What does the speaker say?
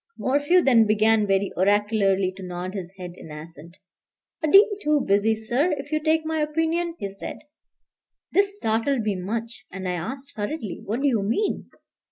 Morphew then began very oracularly to nod his head in assent. "A deal too busy, sir, if you take my opinion," he said. This startled me much, and I asked hurriedly, "What do you mean?"